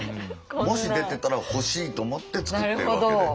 もし出てたら欲しいと思って作ってるわけで。